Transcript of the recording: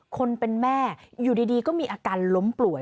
คนเป็นแม่อยู่ดีก็มีอาการล้มป่วย